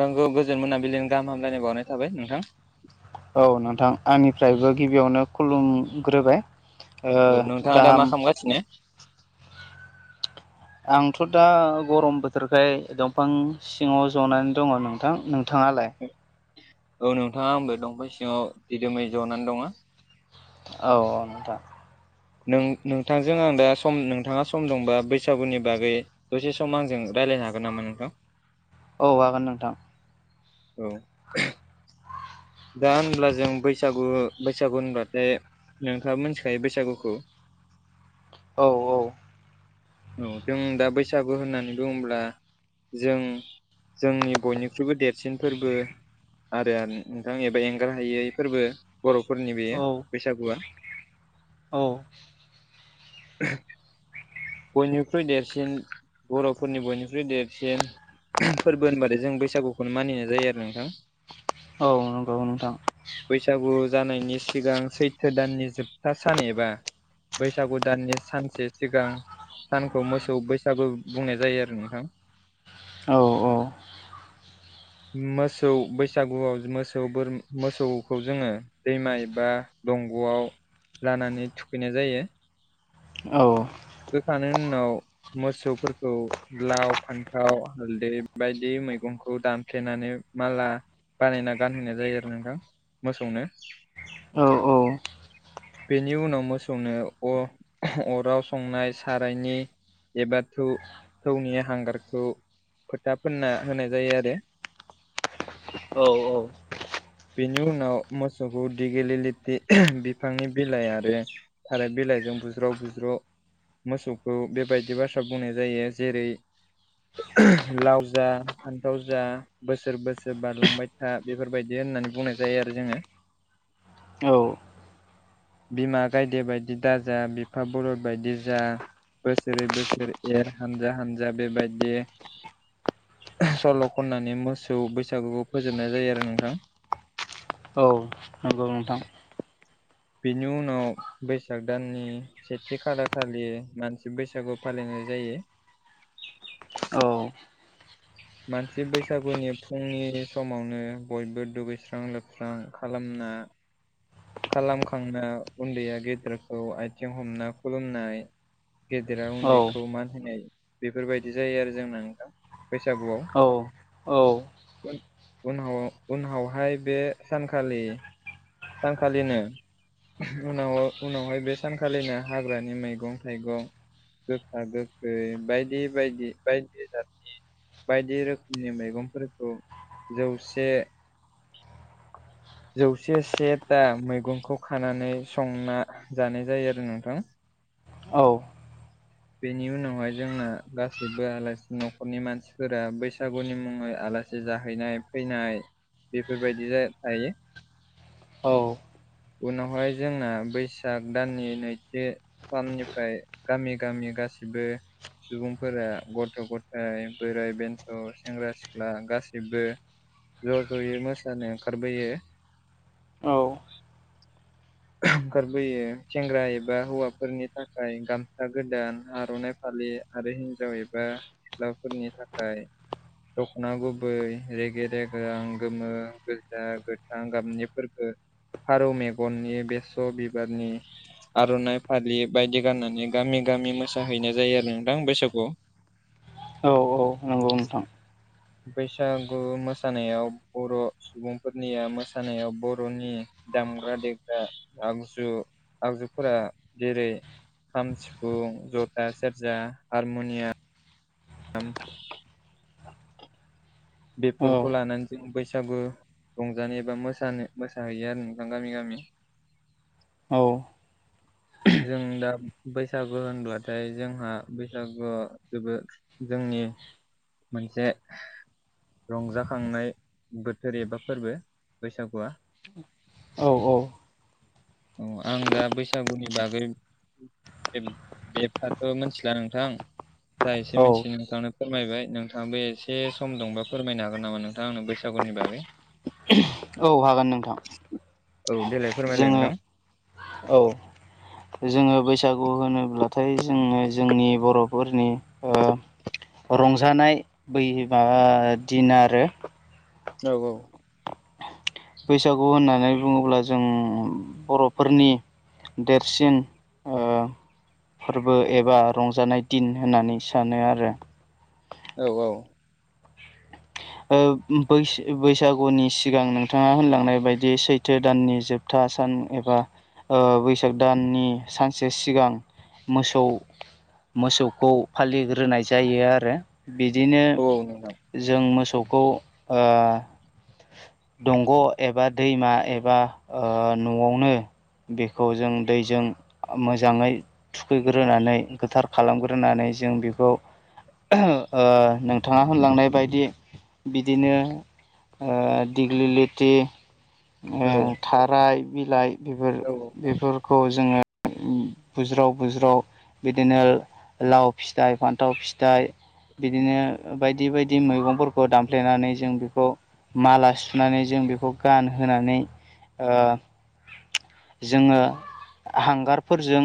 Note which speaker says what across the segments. Speaker 1: नंगौ गोजोन मोनाबिलिजों गाहाम हामलायनाय बावनाय थाबाय नोंथां
Speaker 2: औ नोंथां आंनिफ्रायबो गिबियावनो खुलुमग्रोबाय ओ
Speaker 1: औ नोंथाङा दा मा
Speaker 2: गाहाम
Speaker 1: खालामगासिनो
Speaker 2: आंथ' दा गरम बोथोरखाय दंफां सिङाव जनानै दङ नोंथां नों नोंथाङालाय
Speaker 1: औ नोंथाङा आंबो दंफां सिङाव दिदोमै जनानै दङ
Speaker 2: औ औ नोंथां
Speaker 1: नों नोंथांजों आं दा सम नोंथाङा सम दंबा बैसागुनि बागै दसे सम आंजों राय- लायनो हागोन नामा नोंथां
Speaker 2: औ हागोन नोंथां
Speaker 1: औ दा होनब्ला जों बैसागु बैसागु होनब्लाथाय नोंथाङा मिथिखायो बैसागुखौ
Speaker 2: औ औ
Speaker 1: औ जों दा बैसागु होननानै बुङोब्ला जों जोंनि बयनिख्रुइबो देरसिन फोरबो आरो नोंथां एबा एंगारहायै फोरबो बर'फोरनि बेयो
Speaker 2: औ
Speaker 1: बैसागुआ।
Speaker 2: औ
Speaker 1: [inaudible] बयनिख्रुइ देरसिन बर'फोरनि बयनिख्रुइ देरसिन फोरबो होनबाथाय जों बैसागुखौनो मानिनाय जायो आरो नोंथां।
Speaker 2: औ नंगौ नोंथां
Speaker 1: बैसागु जानायनि सिगां सैथो दाननि जोबथा सान एबा बैसागु दाननि सानसे सिगां सानखौ मोसौ बैसागु बुंनाय जायो आरो नोंथां
Speaker 2: औ औ
Speaker 1: मोसौ बैसागुआव मोसौ मोसौ बोर मोसौखौ जोङो दैमा एबा दंग'आव लानानै थुखैनाय जायो
Speaker 2: औ
Speaker 1: थुखैखांनायनि उनाव मोसौफोरखौ लाव फान्थाव हालदै बायदि मैगंखौ दानफ्लेनानै माला बानायना गानहैनाय जायो आरो नोंथां मोसौनो
Speaker 2: औ
Speaker 1: बेनि उनाव मोसौनो अराव संनाय सारायनि एबा थौ थौनि हांगारखौ फोथा फोनना होनाय जायो आरो
Speaker 2: औ
Speaker 1: बेनि उनाव मोसौखौ दिगिलि लेथि बिफांनि बिलाइ आरो थाराय बि- लाइजों बुज्राव बुज्र' मोसौखौ बेबायदि बाथ्रा बुंनाय जायो जेरै लाव जा फान्थाव जा बोसोर बोसोर बारलांबाय था बेफोरबायदि होननानै बुंनाय जायो आरो जोङो
Speaker 2: औ औ
Speaker 1: बिमा गायदे बायदि दाजा बिफा बलद बायदि जा बोसोरै बोसोरै एर हानजा हानजा बेबायदि सल' खननानै मोसौ बैसागुखौ फोजोबनाय जायो आरो नोंथां।
Speaker 2: औ नंगौ नोंथां
Speaker 1: बिनि उनाव बैसाग दाननि सेथि खालार खालि मानसि बैसागु फालिनाय जायो।
Speaker 2: औ
Speaker 1: मानसि बैसागुनि फुंनि समावनो बयबो दुगैस्रां लोबस्रां खालाम ना खालामखांना उन्दैया गेदेरखौ आथिं हमना खुलुमनाय गेदेरा
Speaker 2: औ
Speaker 1: उन्दैखौ मान होनाय बेफोरबायदि जायो आरो जोंना ना नोंथां
Speaker 2: औ औ
Speaker 1: बैसागुआव उनाव उनावहाय बे सानखालि सानखालिनो उनाव उनावहाय बे सानखालिनो हाग्रानि मैगं थाइगं गोखा गोखै बायदि बायदि बायदि जादनि बायदि रोखोमनि मैगंफोरखौ जौसे जौसेस सेथा मैगंखौ खानानै संना जानाय जायो आरो नोंथां
Speaker 2: औ
Speaker 1: बेनि उनावहाय जोंना गासैबो आलासि न'खरनि मानसिफोरा बैसागुनि मुङै आलासि जाहैनाय फैनाय बेफोरबायदि थायो
Speaker 2: औ
Speaker 1: उनावहाय जोंना बैसाग दाननि नैथि साननिफ्राय गामि गामि गासिबो सुबुंफोरा गथ' गथाय बोराइ बेन्थ' सेंग्रा सिख्ला गासैबो ज' जयै मोसानो ओंखारबोयो
Speaker 2: औ
Speaker 1: ओंखारबोयो सेंग्रा एबा हौवाफोरनि थाखाय गामसा गोदान आर'नाइ फालि लि आरो हिनजाव एबा सिख्लाफोरनि थाखाय दख'ना गुबै रेगे रेगां गोमो गोजा गोथां गाबनिफोरखो फारौ मेगननि बेसर बिबारनि आर'नाइ फालि बायदि गाननानै गामि गामि मोसाहैनाय जायो आरो नोंथां बैसागुआव [inaudible]
Speaker 2: औ औ नंगौ नोंथां
Speaker 1: बैसागु मोसानायाव बर' सुबुंफोरनिया मोसानायाव बर'नि दामग्रा देग्रा आगजु आगजुफोरा जेरै खाम सिफुं जथा सेरजा हारमुनियाम
Speaker 2: औ
Speaker 1: बेफोरखौ लानानै जों बैसागु रंजानाय एबा मोसानो मोसाहैयो आरो नोंथां गामि गामि
Speaker 2: औ
Speaker 1: जों दा बैसागु होनब्लाथाय जोंहा बैसागुआ जोबोद जों नि मोनसे रंजाखांनाय बोथोर एबा फोरबो बैसागुआ।
Speaker 2: औ औ।
Speaker 1: औ आं दा बैसागुनि बागै [unintelligible] मोनथिला नोंथां। जा एसे
Speaker 2: औ
Speaker 1: मिनथियो नोंथांनो फोरमायबाय। नोंथाङाबो एसे सम दंबा फोरमायनो हागोन नामा नोंथां आंनो बैसागुनि बागै?
Speaker 2: औ हागोन नोंथां।
Speaker 1: औ देलाय फोरमायलाय
Speaker 2: जोङो
Speaker 1: नोंथां
Speaker 2: औ जोङो बैसागु होनोब्ला थाय जोङो जोंनि बर'फोरनि ओ रंजानाय बै माबा दिन आरो।
Speaker 1: औ औ।
Speaker 2: बैसागु होननानै बुङोब्ला जों बर'फोरनि देरसिन ओ फोरबो एबा रंजानाय दिन होननानै सानो आरो।
Speaker 1: औ औ।
Speaker 2: ओ बैस-बैसागुनि सिगां नोंथाङा होनलांनाय बायदि सैथो दाननि जोबथा सान एबा ओ बैसाग दाननि सानसे सिगां मोसौ मोसौखौ फालिग्रोनाय जायो आरो। बिदिनो
Speaker 1: औ औ नोंथां
Speaker 2: जों मोस सौखौ ओ दंग' एबा दैमा एबा न'आवनो बेखौ जों दैजों आ मोजाङै थुखैग्रोनानै गोथार खालामग्रोनानै जों बेखौ ओ नोंथाङा होनलांनाय बायदि बिदिनो ओ दिग्लि लिथि ओ
Speaker 1: औ
Speaker 2: थाराय बिलाइ बेफोर
Speaker 1: औ
Speaker 2: बेफोरखौ जोङो बुज्राव बुज्राव बिदिनो लाव फिथाइ फान्थाव फिथाइ बिदिनो बायदि बायदि मैगंफोर खौ दामफ्लेनानै जों बेखौ माला सुनानै जों बेखौ गानहानै ओ जोङो हांगारफोरजों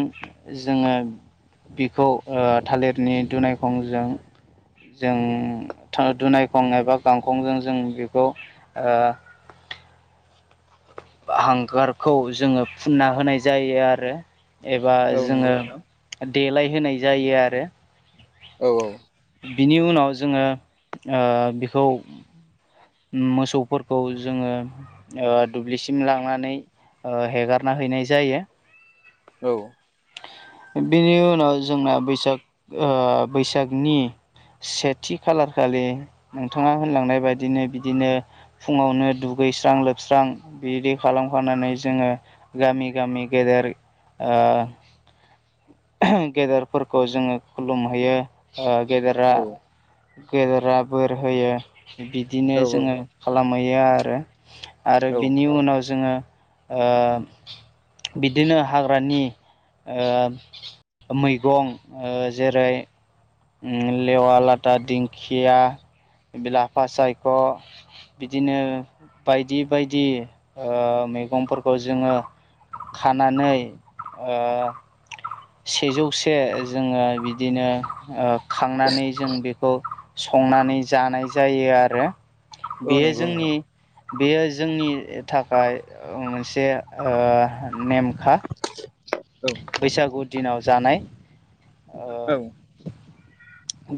Speaker 2: जोङो बिखौ ओ थालेरनि दुनायखंजों जों था दुनाय खं एबा गांखंजों जों बेखौ ओ बा हांगारखौ जोङो फुनना होनाय जायो आरो। एबा
Speaker 1: औ नंगौ
Speaker 2: जोङो
Speaker 1: नोंथां
Speaker 2: देलाय होनाय जायो आरो।
Speaker 1: औ औ।
Speaker 2: बिनि उनाव जोङो ओ बिखौ मोसौफोरखौ जोङो ओ दुब्लिसिम लांनानै ओ हेगारना हैनाय जायो।
Speaker 1: औ
Speaker 2: बेनि उनाव जोंना बैसाग ओ बैसागनि सेथि खालार खालि नोंथाङा होनलांनाय बायदिनो बिदिनो फुङावनो दुगैस्रां लोबस्रां बिदि खालाम खानानै जोङो गामि गामि गेर देर ओ [unintelligible] गेदेरफोरखौ जोङो खुलुमहैयो ओ गेदेरा गेदेरा बोर होयो बिदिनो
Speaker 1: औ
Speaker 2: जोङो खालामहैयो आरो। आरो
Speaker 1: औ
Speaker 2: बिनि उनाव जोङो ओ बिदिनो हाग्रानि ओ मैगं ओ जेरै उम लेवा लाथा दिंखिया बिलाफा सायख' बिदिनो बायदि बायदि ओ मैगंफोरखौ जोङो खानानै ओ सेजौ से जोङो बिदिनो ओ खांनानै जों बे खौ संनानै जानाय जायो आरो।
Speaker 1: औ
Speaker 2: बेयो
Speaker 1: नंगौ
Speaker 2: जोंनि
Speaker 1: नोंथां
Speaker 2: बेयो जोंनि थाखाय ओ मोनसे ओ नेमखा।
Speaker 1: औ
Speaker 2: बैसागु दिनाव जानाय ओ
Speaker 1: औ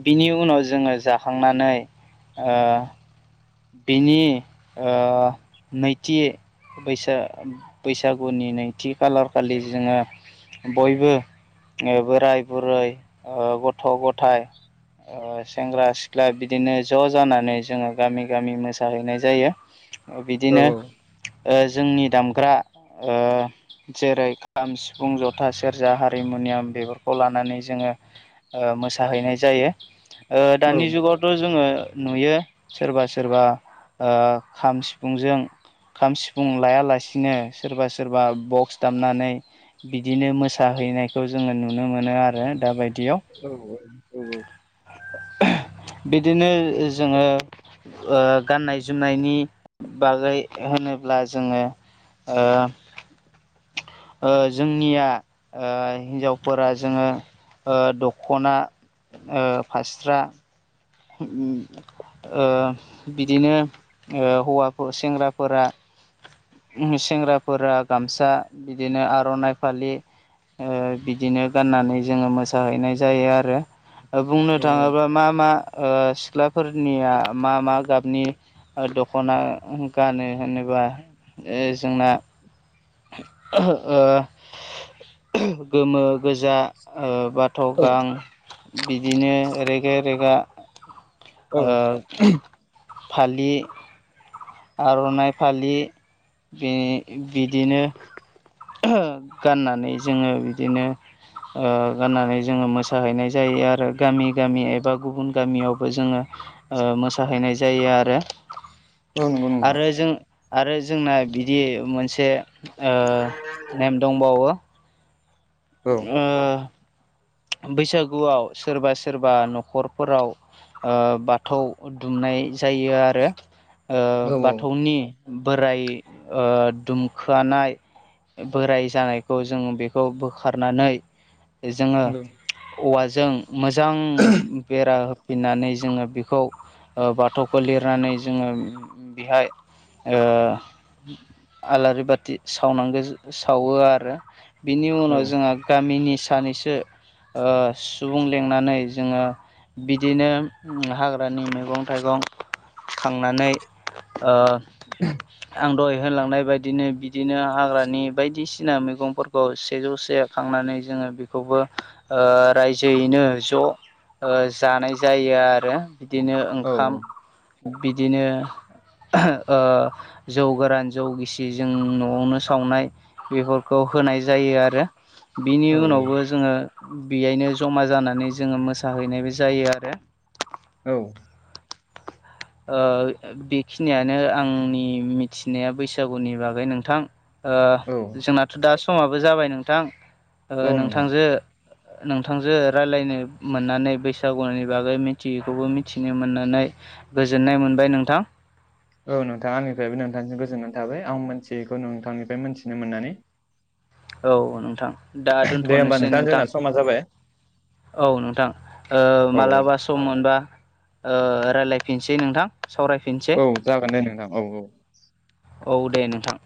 Speaker 2: बिनि उनाव जोङो जाखांनानै ओ बेनि ओ नैथि बैसा बैसागुनि नैथि खालार खालि जोङो बयबो ओ बोराय बुरै ओ गथ' गथाइ ओ सेंग्रा सिख्ला बिदिनो ज' जानानै जोङो गामि गामि मोसाहैनाय जायो। ओ
Speaker 1: औ
Speaker 2: बिदिनो ओ जोंनि दामग्रा ओ जेरै खाम, सिफुं, जथा, सेरजा हारिमुन निया बेफोरखौ लानानै जोङो ओ मोसाहैनाय जायो। ओ दानि जुगावथ' जोङो नुयो सोरबा सोरबा ओ खाम सिफुंजों खाम सिफुं लायालासिनो सोरबा सोरबा बक्स दामनानै बिदिनो मोसा हो हैनायखौ जोङो नुनो मोनो आरो दा बाय
Speaker 1: औ औ औ औ।
Speaker 2: [unintelligible] बिदिनो जोङो ओ गाननाय जोमनायनि बागै होनोब्ला जोङो ओ ओ जोंनिया ओ हिन्जावफोरा जोङो ओ दख'ना ओ फास्रा [unintelligible] ओ बिदिनो ओ हौवाफो सेंग्राफोरा उम सेंग्राफोरा गामसा बिदिनो आर'नाइ फालि ओ बिदिनो गाननानै जोङो मोसाहैनाय जायो आरो। ओ बुंनो थाङोबा मा मा ओ सिख्लाफोरनिया मा मा गाबनि ओ दख'ना गानो होनोबा ओ जोंना ओ गोमो गोजा ओ बाथ'
Speaker 1: औ
Speaker 2: गां बिदिनो रेगे-रेगा
Speaker 1: औ
Speaker 2: ओ फालि आर'नाइ फालि बि बिदिनो ओहो गाननानै जोङो बिदिनो ओ गाननानै जोङो मोसाहैनाय जायो आरो गामि गामि एबा गुबुन गामियावबो जोङो ओ मोसाहैनाय जायो आरो।
Speaker 1: औ नोंगौ नोंथां।
Speaker 2: आरो जों आरो जोंना बिदि मोनसे ओ नेम दंबावो।
Speaker 1: औ
Speaker 2: ओ बैसागुआव सोरबा सोरबा न'खरफोराव ओ बाथौ दुमनाय जायो आरो। ओ
Speaker 1: औ नंगौ
Speaker 2: बाथौनि बोराइ ओ दुमखोआनाय बोराय जानायखौ जों बेखौ बोखारनानै जोङो औवाजों मोजां बेरा हो फिननानै जोङो बिखौ ओ बाथौखौ लिरनानै जोङो बिहाय ओ आलारि बाथि सावनांगो सावो आरो। बिनि
Speaker 1: औ
Speaker 2: उनाव जोंहा गामिनि सानैसो ओ सुबुं लेंनानै जोङो बिदिनो उम हाग्रानि मैगं-थाइ थाइगं खांनानै
Speaker 1: [inaudible]
Speaker 2: आं दहय होनलांनाय बायदिनो बिदिनो हाग्रानि बायदिसिना मैगंफोरखौ सेजौसे खांनानै नै जोङो बेखौबो ओ रायजोयैनो ज' ओ जानाय जायो आरो। बिदिनो
Speaker 1: औ
Speaker 2: ओंखाम बिदिनो ओ जौ गोरान जौ गिसि जों न'आवनो सावनाय बेफोरखौ होनाय जायो आरो बिनि
Speaker 1: औ नोंथां औ नोंथां
Speaker 2: उनावबो जोङो बियायनो जमा जानानै जोङो मोसाहैनायबो जायो आरो।
Speaker 1: औ
Speaker 2: ओ बेखिनियानो आंनि मिथिनाया बैसागुनि बागै नोंथां। ओ जोंनाथ' दा समाबो जाबाय नोंथां ओ नोंथांजो नोंथांजो रायलायनो मोननानै बैसागुनि बागै मिथियैखौबो मिथिनो मोननानै गोजोननाय मोनबाय नोंथां।
Speaker 1: औ नोंथां आंनिफ्रायबो नोंथांसिम गोजोननानै थाबाय आं मिथियैखौ नोंथांनिफ्राय मोन्थिनो मोन्नानै।
Speaker 2: औ नोंथां दा
Speaker 1: दे होमबा
Speaker 2: दोनथ'नोसै नोंथां।
Speaker 1: जोंना समा जाबाय
Speaker 2: औ नोंथां ओ
Speaker 1: औ
Speaker 2: मालाबा सम मोनबा ओ रायलायफिनसै नोंथां। सावरायफिनसै
Speaker 1: औ जागोन दे नोंथां औ औ
Speaker 2: औ दे नोंथां